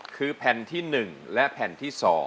คือแผ่นที่๑และแผ่นที่๒